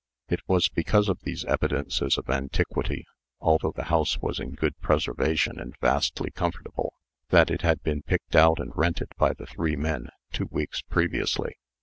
It was because of these evidences of antiquity, although the house was in good preservation and vastly comfortable, that it had been picked out and rented by the three men, two weeks previously.